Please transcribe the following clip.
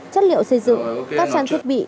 chất liệu xây dựng các trang thiết bị